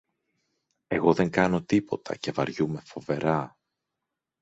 Εγώ δεν κάνω τίποτα και βαριούμαι φοβερά!